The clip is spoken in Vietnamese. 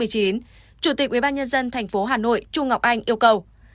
chủ tịch ubnd thành phố hà nội chu ngọc anh yêu cầu